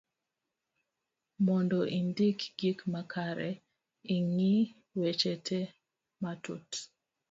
mondo indik gik makare,i ng'i weche te matut